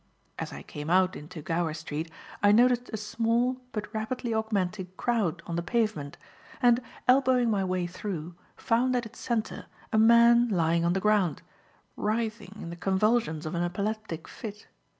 As I came out into Gower Street I noticed a small, but rapidly augmenting crowd on the pavement, and, elbowing my way through, found at its centre a man lying on the ground, writhing in the convulsions of an epileptic fit.